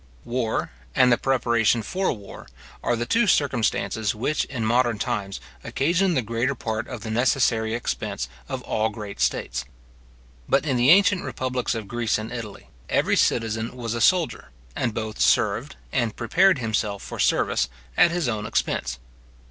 War, and the preparation for war, are the two circumstances which, in modern times, occasion the greater part of the necessary expense or all great states. But in the ancient republics of Greece and Italy, every citizen was a soldier, and both served, and prepared himself for service, at his own expense.